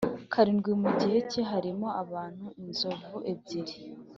Karindwi mu gihe cye harimo abantu inzovu ebyiri